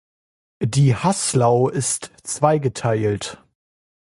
Die Haslau ist zweigeteilt.